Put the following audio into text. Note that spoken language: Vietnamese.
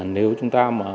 nếu chúng ta các cơ quan